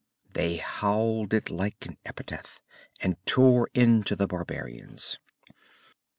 _" They howled it like an epithet, and tore into the barbarians.